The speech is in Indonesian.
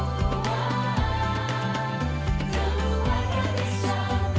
dan keluarga dari korona